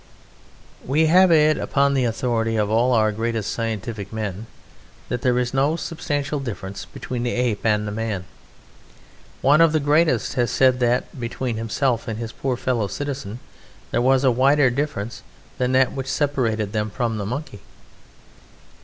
We have it upon the authority of all our greatest scientific men, that there is no substantial difference between the Ape and Man. One of the greatest has said that between himself and his poorer fellow citizens there was a wider difference than that which separated them from the Monkey.